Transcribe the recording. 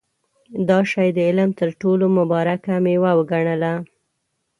دا شی د علم تر ټولو مبارکه مېوه وګڼله.